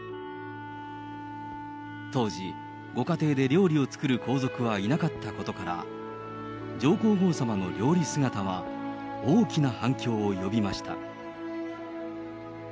当時、ご家庭で料理を作る皇族はいなかったことから、上皇后さまの料理姿は大きな反響を呼びました。